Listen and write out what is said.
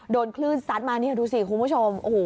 โดนคลื่นซัดมานี่ดูสิคุณผู้ชม